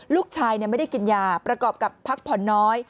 ลูกชายไม่ได้กินยาประกอบกับพักผ่อนน้อย